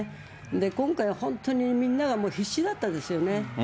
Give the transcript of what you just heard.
今回は本当に、みんなが必死だったですよね。